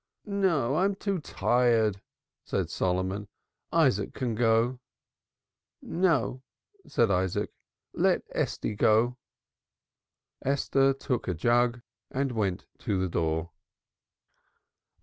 "No, I'm too tired," said Solomon. "Isaac can go." "No," said Isaac. "Let Estie go." Esther took a jug and went to the door.